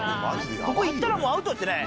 ここ行ったらもうアウトですね。